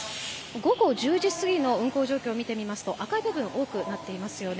午後１０時過ぎの運行状況を見てみますと赤い部分が多くなっていますよね。